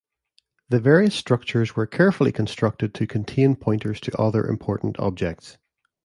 The various structures were carefully constructed to contain pointers to other important objects.